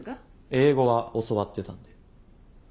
英語は教わってたんで。